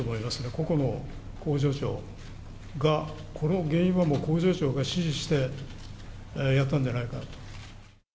個々の工場長が、この原因は、工場長が指示してやったんじゃないかなと。